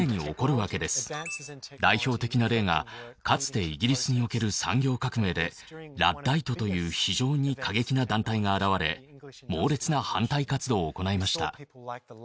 代表的な例がかつてイギリスにおける産業革命でラッダイトという非常に過激な団体が現れ猛烈な反対活動を行いました。